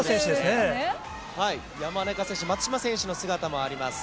山中選手、そして松島選手の姿もあります。